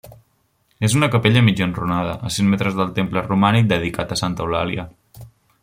És una capella mig enrunada, a cent metres del temple romànic dedicat a Santa Eulàlia.